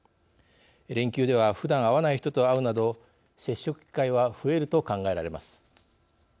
連休ではふだん会わない人と会うなど接触機会は増えると考えられます。